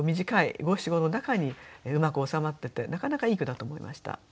短い五七五の中にうまく収まっててなかなかいい句だと思いました。